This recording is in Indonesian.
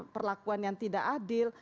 perlakuan yang tidak adil